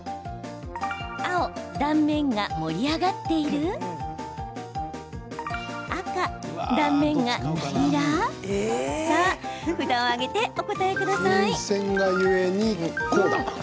青・断面が盛り上がっている赤・断面が平らさあ、札を上げてお答えください。